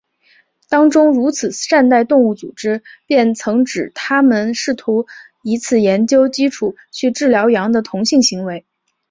当中如善待动物组织便曾指它们试图以此研究基础去治疗羊的同性行为。